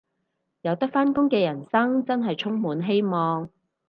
有得返工嘅人生真係充滿希望